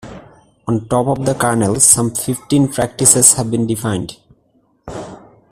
On top of the kernel some fifteen practices have been defined.